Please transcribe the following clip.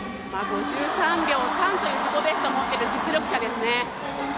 ５３秒３という自己ベストを持っている実力者ですね。